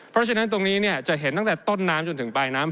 เพราะฉะนั้นตรงนี้จะเห็นตั้งแต่ต้นน้ำจนถึงปลายน้ำ